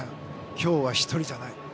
今日は１人じゃない。